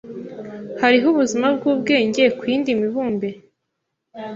Hariho ubuzima bwubwenge ku yindi mibumbe?